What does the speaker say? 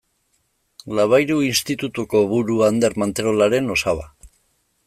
Labayru Institutuko buru Ander Manterolaren osaba.